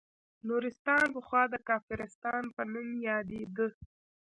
نورستان پخوا د کافرستان په نوم یادیده